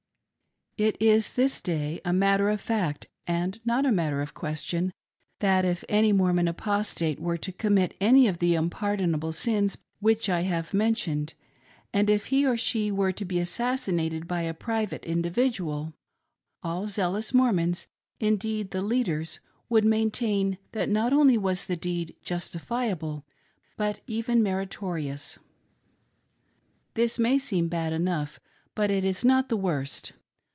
It is this day a matter of fact, and not a matter of question, that if any Mormon Apostate were to commit any of the unpardonable sins which I have men tioned, and if he or she were to be assassinated by a private individual, all zealous Mormons — all the leaders — would maintain that not only was the deed justiiiable but even meritorious ! This may seem bad enough, but it is not the worst.